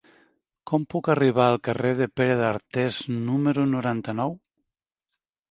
Com puc arribar al carrer de Pere d'Artés número noranta-u?